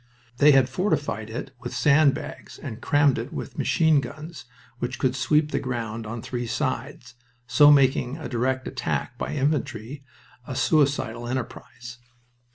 They had fortified it with sand bags and crammed it with machine guns which could sweep the ground on three sides, so making a direct attack by infantry a suicidal enterprise.